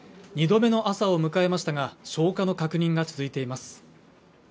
２度目の朝を迎えましたが消火の確認が続いています